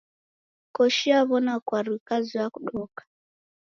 Koshi yaw'ona kwaru ikazoya kudoka.